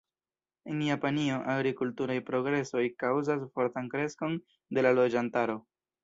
En Japanio, agrikulturaj progresoj kaŭzas fortan kreskon de la loĝantaro.